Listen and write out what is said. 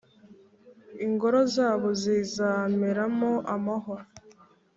Ingoro zabo zizameramo amahwa,